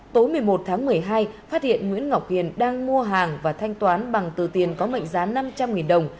tối một mươi một tháng một mươi hai phát hiện nguyễn ngọc hiền đang mua hàng và thanh toán bằng từ tiền có mệnh giá năm trăm linh đồng